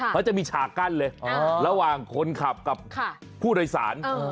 เขาจะมีฉากกั้นเลยระหว่างคนขับกับผู้โดยสาร